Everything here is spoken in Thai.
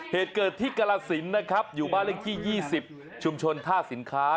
เหตุเกิดที่กรสินนะครับอยู่บ้านเลขที่๒๐ชุมชนท่าสินค้า